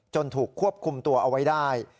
ถูกควบคุมตัวเอาไว้ได้